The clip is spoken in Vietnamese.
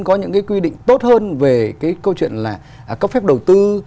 có những cái quy định tốt hơn về cái câu chuyện là cấp phép đầu tư